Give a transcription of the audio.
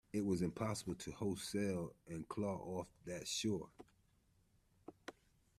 It was impossible to hoist sail and claw off that shore.